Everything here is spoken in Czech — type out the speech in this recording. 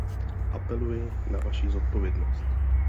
Apeluji na vaši zodpovědnost.